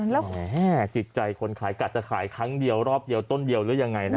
แล้วแหมจิตใจคนขายกัดจะขายครั้งเดียวรอบเดียวต้นเดียวหรือยังไงนะ